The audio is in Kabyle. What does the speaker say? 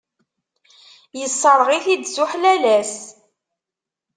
Yesserɣ-it-id s uḥlalas.